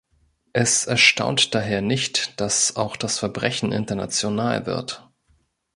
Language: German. Es erstaunt daher nicht, dass auch das Verbrechen international wird.